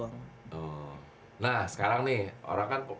ketika tuh kita bisnis jadi banyakanu